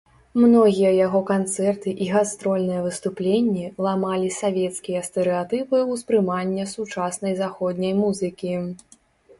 Многія яго канцэрты і гастрольныя выступленні ламалі савецкія стэрэатыпы ўспрымання сучаснай заходняй музыкі.